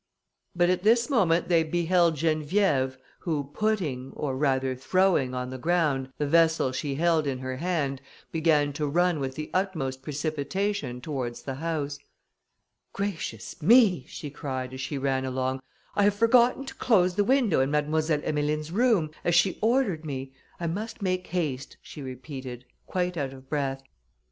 But at this moment they beheld Geneviève, who putting, or rather throwing, on the ground the vessel she held in her hand, began to run with the utmost precipitation towards the house. "Gracious me!" she cried, as she ran along, "I have forgotten to close the window in Mademoiselle Emmeline's room, as she ordered me. I must make haste," she repeated, quite out of breath.